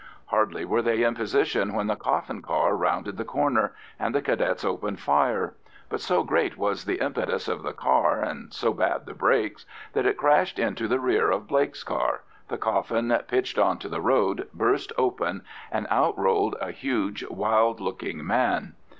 Hardly were they in position when the coffin car rounded the corner, and the Cadets opened fire; but so great was the impetus of the car, and so bad the brakes, that it crashed into the rear of Blake's car, the coffin pitched on to the road, burst open, and out rolled a huge wild looking man.